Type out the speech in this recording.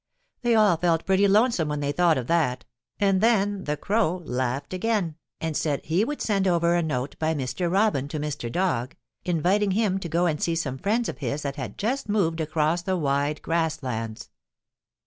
They all felt pretty lonesome when they thought of that, and then the Crow laughed again and said he would send over a note by Mr. Robin to Mr. Dog inviting him to go and see some friends of his that had just moved across the Wide Grass Lands.